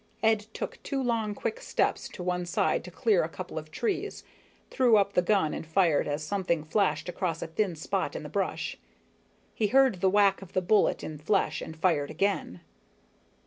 Ed took two long quick steps to one side to clear a couple of trees, threw up the gun and fired as something flashed across a thin spot in the brush. He heard the whack of the bullet in flesh and fired again.